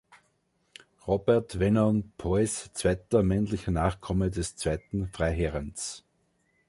Robert Vernon Powys, zweiter männlicher Nachkomme des zweiten Freiherrens.